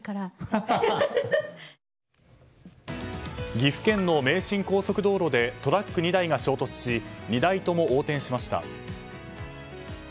岐阜県の名神高速道路でトラック２台が衝突し２台とも横転しました。